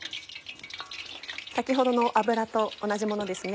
先ほどの油と同じものですね。